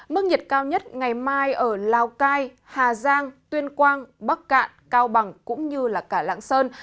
mức nhiệt cao nhất ngày mai ở lào cai hà giang tuyên quang bắc cạn cao bằng cũng như cả lãng sơn